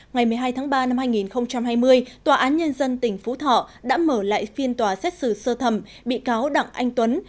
ngày một mươi hai tháng ba năm hai nghìn hai mươi tòa án nhân dân tỉnh phú thọ đã mở lại phiên tòa xét xử sơ thẩm bị cáo đặng anh tuấn